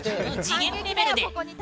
次元レベルで。